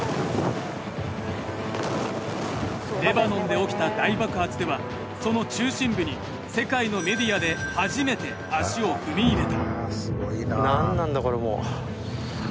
レバノンで起きた大爆発ではその中心部に世界のメディアで初めて足を踏み入れた。